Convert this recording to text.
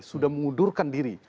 sudah mengundurkan diri